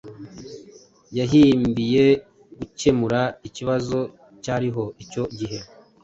Yagihimbiye gukemura ikibazo cyariho icyo gihe,